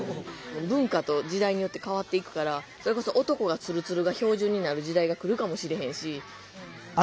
文化と時代によって変わっていくからそれこそ男がツルツルが標準になる時代が来るかもしれへんし。